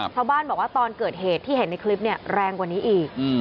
ชาวบ้านบอกว่าตอนเกิดเหตุที่เห็นในคลิปเนี่ยแรงกว่านี้อีก